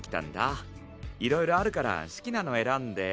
いろいろあるから好きなの選んで。